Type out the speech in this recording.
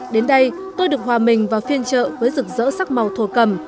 đến đây tôi được hòa mình vào phiên chợ với rực rỡ sắc màu thô cầm